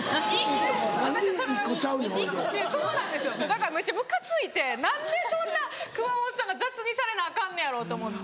だからめっちゃムカついて何でそんな熊元さんが雑にされなアカンのやろと思って。